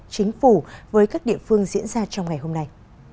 chính phủ với các địa phương diễn ra trong ngày hôm nay